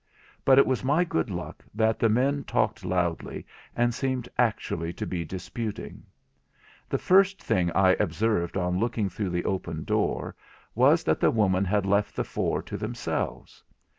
But it was my good luck that the men talked loudly, and seemed actually to be disputing. The first thing I observed on looking through the open door was that the woman had left the four to themselves.